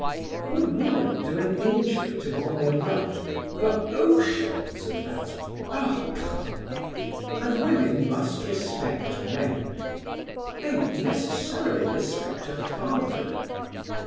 Would women do an injury to one they loved for oceans of that ah, pah! And women must respect men. They necessarily respect a father.